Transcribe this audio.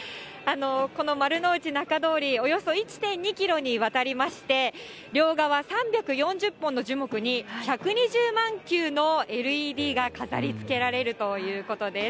この丸の内なかどおり、およそ１．２キロにわたりまして、両側３４０本の樹木に、１２０万球のＬＥＤが飾りつけられるということです。